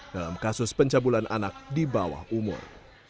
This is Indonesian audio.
dalam kasus pencabulan anak di bawah umur